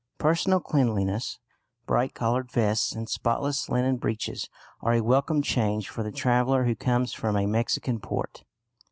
Personal cleanliness, bright coloured vests and spotless linen breeches are a welcome change for the traveller who comes from a Mexican port.